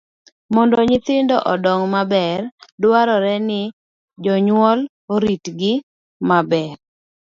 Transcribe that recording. Mondo nyithindo odong maber, dwarore ni jonyuol oritgi maber.